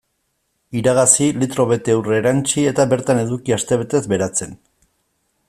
Iragazi, litro bete ur erantsi eta bertan eduki astebetez beratzen.